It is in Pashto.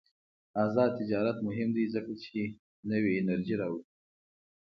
آزاد تجارت مهم دی ځکه چې نوې انرژي راوړي.